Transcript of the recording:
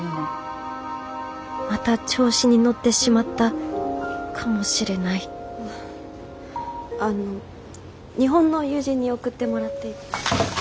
また調子に乗ってしまったかもしれないあの日本の友人に送ってもらって。